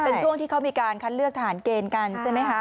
เป็นช่วงที่เขามีการคัดเลือกทหารเกณฑ์กันใช่ไหมคะ